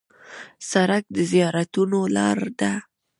سړک د زیارتونو لار ده.